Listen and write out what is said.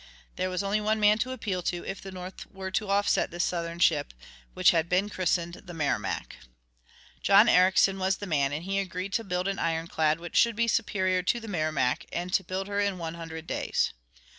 There was only one man to appeal to if the North were to offset this Southern ship, which had been christened the Merrimac. John Ericsson was the man, and he agreed to build an ironclad which should be superior to the Merrimac, and to build her in one hundred days.